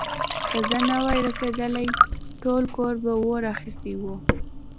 که زه نه وای رسېدلی، ټول کور به اور اخيستی و.